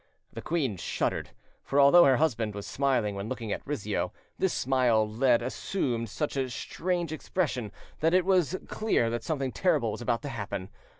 The queen shuddered; for although her husband was smiling when looking at Rizzio, this smile lead assumed such a strange expression that it was clear that something terrible was about to happen.